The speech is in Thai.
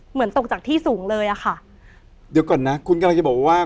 เหมือนตกจากที่สูงเลยอ่ะค่ะเดี๋ยวก่อนนะคุณกำลังจะบอกว่า